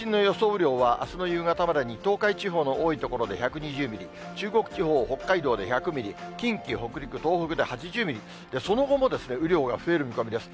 雨量は、あすの夕方までに、東海地方の多い所で１２０ミリ、中国地方、北海道で１００ミリ、近畿、北陸、東北で８０ミリ、その後も雨量が増える見込みです。